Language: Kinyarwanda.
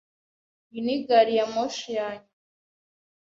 Iyi ni gari ya moshi ya nyuma.